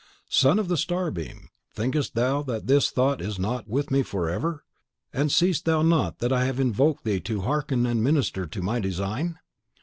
"Son of the Starbeam, thinkest thou that this thought is not with me forever; and seest thou not that I have invoked thee to hearken and minister to my design?